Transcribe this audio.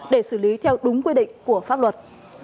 để xử lý theo đúng quy định của pháp luật